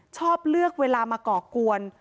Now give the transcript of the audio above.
ชอบเลือกเวลามาก่อกวน